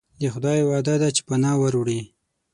د خدای وعده ده چې پناه وروړي.